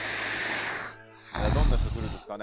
どんな人来るんですかね？